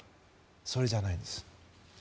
それじゃないんです。